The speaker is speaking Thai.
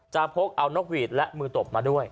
พกเอานกหวีดและมือตบมาด้วย